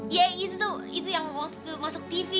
ya itu itu yang waktu masuk tv